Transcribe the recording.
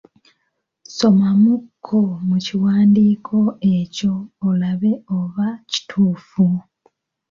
Somamu kko mu kiwandiiko ekyo olabe oba kituufu.